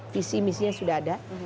visi misinya sudah ada